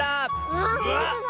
わあほんとだ。